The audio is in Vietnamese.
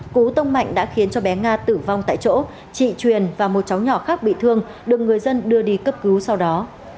cú tông mạnh đã khiến cho bé nga tử vong tại chỗ chị truyền và một cháu nhỏ khác bị thương được người dân đưa đi cấp cứu sau đó